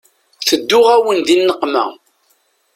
Tedduɣ-awen di nneqma.